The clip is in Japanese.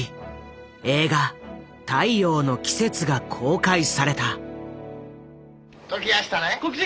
映画「太陽の季節」が公開された。